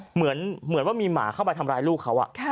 เหมือนว่ามีหมาเข้าไปทำร้ายลูกเขา